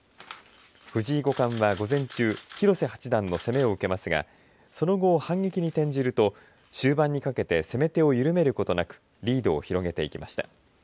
藤井五冠は午前中広瀬八段の攻めを受けますがその後反撃に転じると終盤にかけて攻め手を緩めることなくリードを広げてきました。